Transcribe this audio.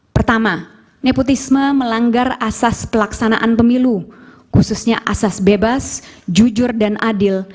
pertama nepotisme melanggar asas pelaksanaan pemilu khususnya asas bebas jujur dan adil